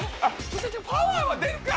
パワーは出るか。